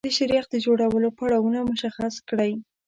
د شیریخ د جوړولو پړاوونه مشخص کړئ.